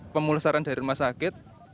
pemulsaran dari rumah sakit